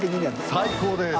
最高です！